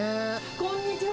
こんにちは。